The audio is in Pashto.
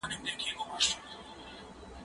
زه له سهاره ليکلي پاڼي ترتيب کوم؟!